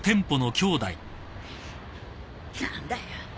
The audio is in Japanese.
何だよ。